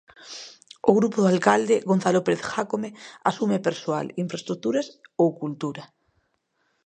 O grupo do alcalde, Gonzalo Pérez Jácome, asume Persoal, Infraestruturas ou Cultura.